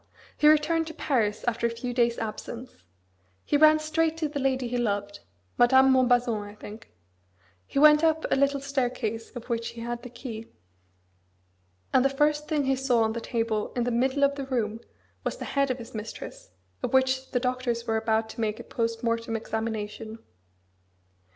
he returned to Paris after a few days' absence. He ran straight to the lady he loved; Madame Montbazon, I think: he went up a little staircase of which he had the key, and the first thing he saw on the table in the middle of the room was the head of his mistress, of which the doctors were about to make a post mortem examination."